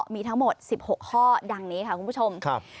มีทั้งหมด๑๖ข้อดังนี้ค่ะคุณผู้ชม